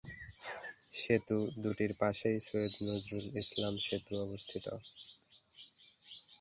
সেতু দুটির পাশেই সৈয়দ নজরুল ইসলাম সেতু অবস্থিত।